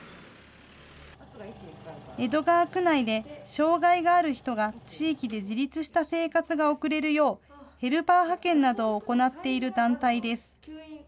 江戸川区内で障害がある人が地域で自立した生活が遅れる様、ヘルパー派遣などを行っている団体です。